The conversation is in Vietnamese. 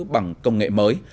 bằng công nghệ mới